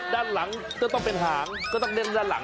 ด้านหลังก็ต้องเป็นหางก็ต้องเล่นด้านหลัง